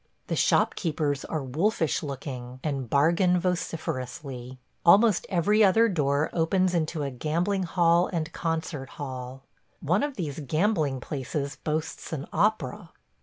The shopkeepers are wolfish looking, and bargain vociferously. Almost every other door opens into a gambling hell and concert hall. One of these gambling places boasts an opera.